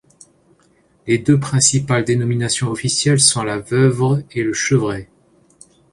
Les deux principales dénominations officielles sont la Veuvre et le Chevré.